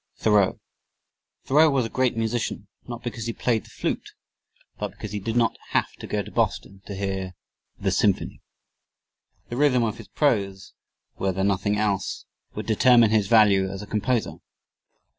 V Thoreau Thoreau was a great musician, not because he played the flute but because he did not have to go to Boston to hear "the Symphony." The rhythm of his prose, were there nothing else, would determine his value as a composer.